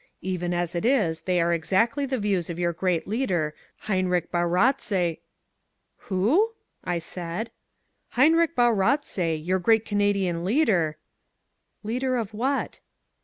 Even as it is they are exactly the views of your great leader Heinrich Bauratze " "Who?" I said. "Heinrich Bauratze, your great Canadian leader " "Leader of what?"